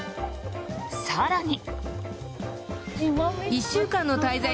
更に。